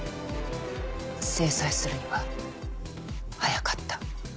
制裁するには早かった。